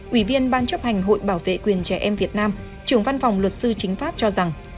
ủy viên ban chấp hành hội bảo vệ quyền trẻ em việt nam trưởng văn phòng luật sư chính pháp cho rằng